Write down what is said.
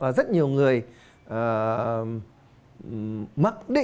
pha cái gì cô